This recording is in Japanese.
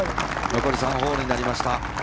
残り３ホールになりました。